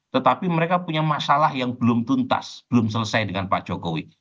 tetapi mereka punya masalah yang belum tuntas belum selesai dengan pak jokowi